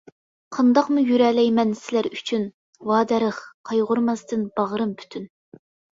قانداقمۇ يۈرەلەيمەن سىلەر ئۈچۈن، ۋادەرىخ، قايغۇرماستىن باغرىم پۈتۈن!